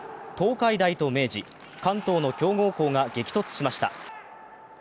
東海大と明治、関東の強豪校が激突しました。